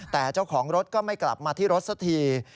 แต่เจ้าของรถก็ไม่กลับมาที่รถสักที